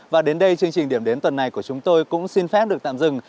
và đến đây chương trình điểm đến tuần này của chúng tôi cũng xin phép được tạm dừng